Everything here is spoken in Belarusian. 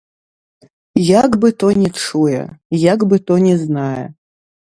Як бы то не чуе, як бы то не знае!